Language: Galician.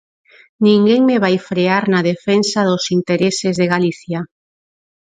Ninguén me vai frear na defensa dos intereses de Galicia.